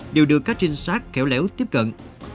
đều được các trinh sát khéo léo tiếp cận